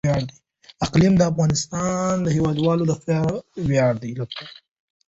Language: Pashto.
اقلیم د افغانستان د هیوادوالو لپاره ویاړ دی.